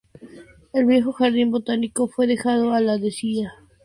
El viejo jardín botánico fue dejado a la desidia.